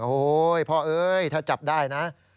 โอ้โหพ่อเอ้ยถ้าจับได้นะ